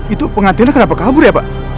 itu pengantinnya kenapa kabur ya pak